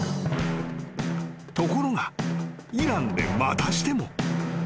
［ところがイランでまたしても］